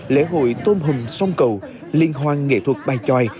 lễ hội tôm hùm song cầu liên hoan nghệ thuật bài chòi